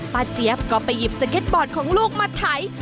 เจี๊ยบก็ไปหยิบสเก็ตบอร์ดของลูกมาไถ